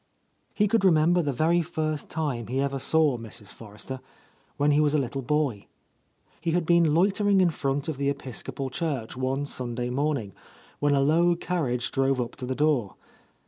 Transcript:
He could remember the very first time he ever saw Mrs. Forrester, when he was a little boy. He had been loitering in front of the Episcopal church one Sunday morning, when a low carriage drove up to the door.